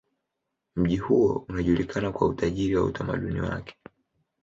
Mji huo unajulikana kwa utajiri wa utamaduni wake.